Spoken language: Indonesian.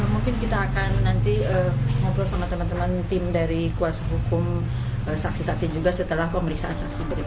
mungkin kita akan nanti ngobrol sama teman teman tim dari kuasa hukum saksi saksi juga setelah pemeriksaan saksi berikut